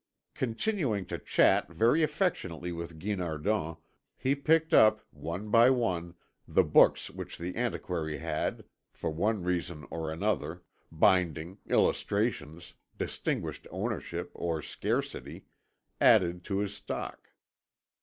Continuing to chat very affectionately with Guinardon, he picked up, one by one, the books which the antiquary had, for one reason or another binding, illustrations, distinguished ownership, or scarcity added to his stock.